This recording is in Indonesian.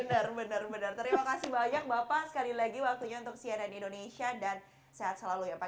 benar benar terima kasih banyak bapak sekali lagi waktunya untuk cnn indonesia dan sehat selalu ya pak